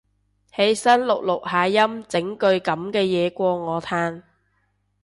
起身錄錄下音整句噉嘅嘢過我嘆